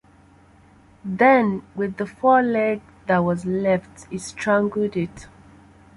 Then with the foreleg that was left, it strangled it.